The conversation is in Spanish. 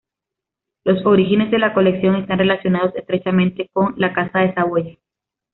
Los orígenes de la colección están relacionados estrechamente con la Casa de Saboya.